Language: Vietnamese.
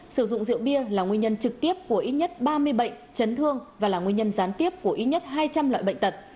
sử dụng rượu bia là nguyên nhân trực tiếp của ít nhất ba mươi bệnh chấn thương và là nguyên nhân gián tiếp của ít nhất hai trăm linh loại bệnh tật